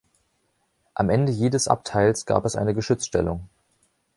Am Ende jedes Abteils gab es eine Geschützstellung.